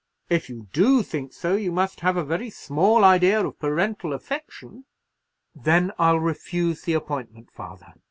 If you do think so, you must have a very small idea of parental affection." "Then I'll refuse the appointment, father."